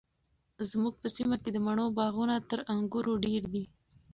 زموږ په سیمه کې د مڼو باغونه تر انګورو ډیر دي.